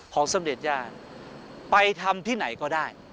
ของสำเร็จญาไปทำที่ไหนก็ได้